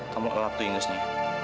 kamu kelap tuh ingesnya